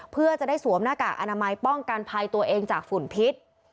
เพื่อจะได้สวมหน้ากากอนามัยป้องกันภัยตัวเองจากฝุ่นพิษ